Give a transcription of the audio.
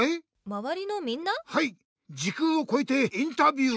はい時空をこえてインタビュー！